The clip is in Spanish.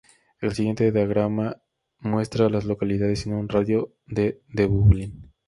El siguiente diagrama muestra a las localidades en un radio de de Dublín.